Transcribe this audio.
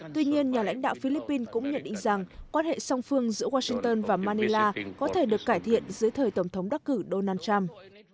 tuy nhiên nhà lãnh đạo philippines cũng nhận định rằng quan hệ song phương giữa washington và manila có thể được cải thiện dưới thời tổng thống đắc cử donald trump